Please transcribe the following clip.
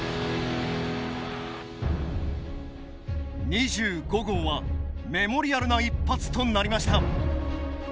２５号はメモリアルな一発となりました。